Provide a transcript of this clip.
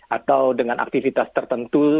atau dengan aktivitas tertentu